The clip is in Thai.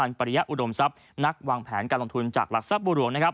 กับคุณปาริพันธ์ปริยะอุดมทรัพย์นักวางแผนการลงทุนจากหลักทรัพย์บ่วนหลวง